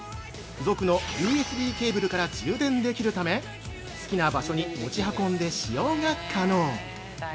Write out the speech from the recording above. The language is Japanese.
付属のＵＳＢケーブルから充電できるため、好きな場所に持ち運んで使用が可能。